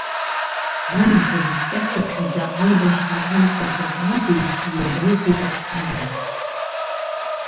Аамҭа наскьацыԥхьаӡа аибашьра амца шакуаз еиԥш, иуадаҩхеит аԥсҭазаарагь.